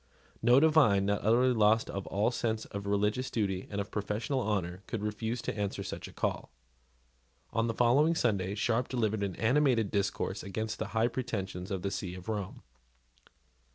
No divine, not utterly lost to all sense of religious duty and of professional honour, could refuse to answer such a call. On the following Sunday Sharp delivered an animated discourse against the high pretensions of the see of Rome.